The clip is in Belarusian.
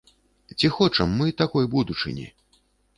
Ці хочам мы такой будучыні?